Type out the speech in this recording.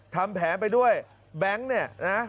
ทำแผนไปด้วยแบงค์เนี่ยนะ